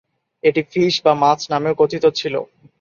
এটি "ফিস" বা মাছ নামেও কথিত ছিল।